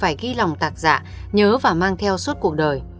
hồ văn cường phải ghi lòng tạc giả nhớ và mang theo suốt cuộc đời